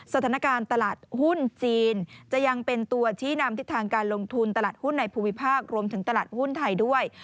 สถานการณ์ตลาดหุ้นจีนจะยังเป็นตัวชี้นำทิศทางการลงทุนตลาดหุ้นในภูมิภาครวมถึงตลาดหุ้นไทยด้วย